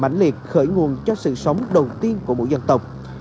mạnh liệt khởi nguồn cho sự sống đầu tiên của mỗi dân tộc